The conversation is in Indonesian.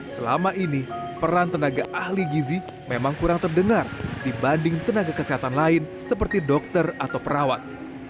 selama ini peran tenaga ahli gizi memang kurang terdengar dibanding tenaga kesehatan lain seperti dokter atau perawat